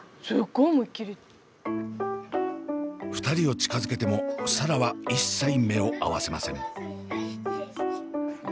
２人を近づけても紗蘭は一切目を合わせません。